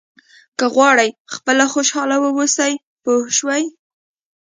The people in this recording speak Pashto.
که غواړئ خپله خوشاله واوسئ پوه شوې!.